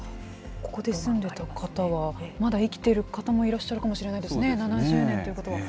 ここで住んでた方は、まだ生きてる方もいらっしゃるかもしれないですね、７０年ということは。